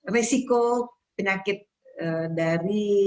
resiko penyakit dari